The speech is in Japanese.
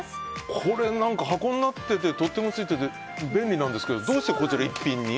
これ、箱になってて取っ手もついてて便利なんですけどどうしてこちら逸品に？